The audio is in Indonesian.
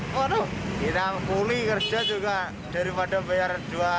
waduh kita pulih kerja juga daripada bayar dua ratus lima puluh